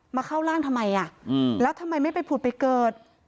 เข้าร่างทำไมอ่ะแล้วทำไมไม่ไปผุดไปเกิด